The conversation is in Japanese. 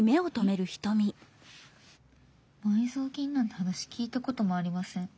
「埋蔵金なんて話聞いたこともありません。